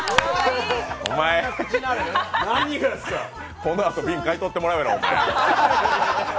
このあと瓶買いとってもらえよ。